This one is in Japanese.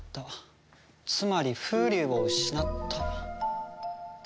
つまり風流を失った。